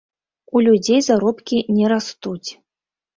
У людзей заробкі не растуць.